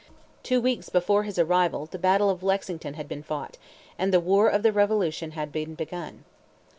Two weeks before his arrival the battle of Lexington had been fought, and the war of the Revolution had been begun.